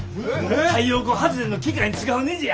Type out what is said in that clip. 太陽光発電の機械に使うねじや。